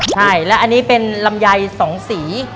ใช่แล้วอันนี้เป็นลำรใหม่สองสี